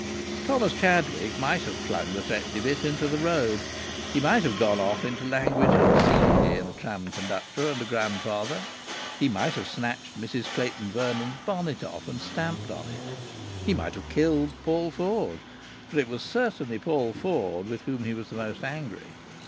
Thomas Chadwick might have flung the threepenny bit into the road. He might have gone off into language unseemly in a tram conductor and a grandfather. He might have snatched Mrs Clayton Vernon's bonnet off and stamped on it. He might have killed Paul Ford (for it was certainly Paul Ford with whom he was the most angry).